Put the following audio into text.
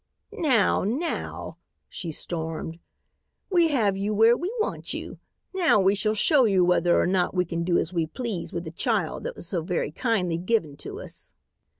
"Now, now," she stormed, "we have you where we want you. Now we shall show you whether or not we can do as we please with the child that was so very kindly given to us."